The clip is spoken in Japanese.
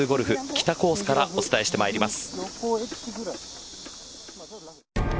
北コースからお伝えしてまいります。